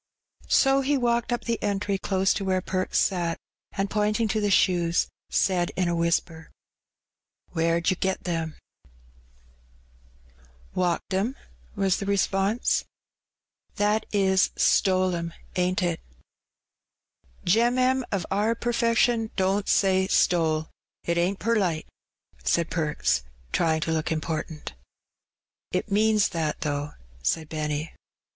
So he walked up the entry close to where Perks sat, and pointing to the shoes, said in a whispei "Where'd yer get them? 1^^ 90 Her Benny. *' Walked 'em/' was the response. ''That is, stole 'em, ain't it?" "Gem'mem of our per fession don't say stole, it ainH perlite/' said Perks, trying tp look important. ''It means that, though,'' said Benny.